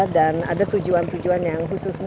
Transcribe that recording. dan ada tujuan tujuan yang khusus